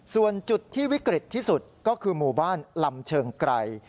ส่วนจุดที่วิกฤตที่สุดก็คือหมู่บ้านลำเชิงไกร